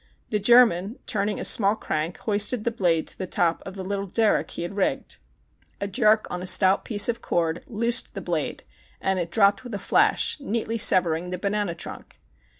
The German, turning a small crank, hoisted the blade to the top of the little derrick he had rigged. A jerk on a stout i8o THE CHINAGO piece of cord loosed the blade and it dropped with a flash, neatly severing the banana trunk.